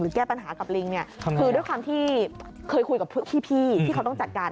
แก้ปัญหากับลิงเนี่ยคือด้วยความที่เคยคุยกับพี่ที่เขาต้องจัดการ